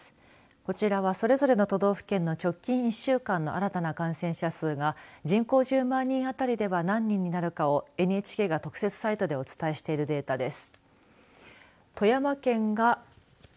こちらはそれぞれの都道府県の直近１週間の新たな感染者数が人口１０万人当たりでは何人になるかをＮＨＫが特設サイトでお伝えしているデータです。